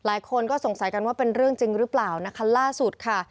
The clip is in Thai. หลายคนก็สงสัยกันว่าเป็นเรื่องจริงหรือเปล่านะคะล่าสุดค่ะ